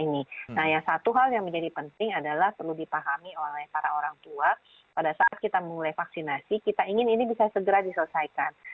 nah yang satu hal yang menjadi penting adalah perlu dipahami oleh para orang tua pada saat kita mulai vaksinasi kita ingin ini bisa segera diselesaikan